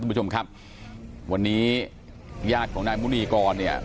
คุณผู้ชมครับวันนี้ญาติของนายมุนีกรเนี่ย